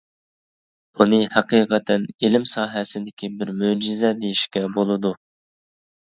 بۇنى ھەقىقەتەن ئىلىم ساھەسىدىكى بىر مۆجىزە دېيىشكە بولىدۇ.